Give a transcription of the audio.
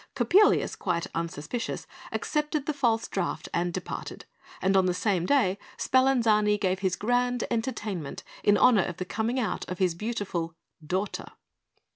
Coppelius, quite unsuspicious, accepted the false draft and departed; and on the same day Spallanzani gave his grand entertainment in honour of the coming out of his beautiful "daughter."